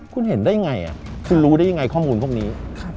คุณเห็นได้ยังไงคุณรู้ได้ยังไงข้อมูลพวกนี้